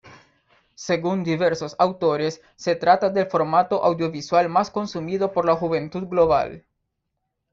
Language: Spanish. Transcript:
Según diversos autores se trata del formato audiovisual más consumido por la juventud global.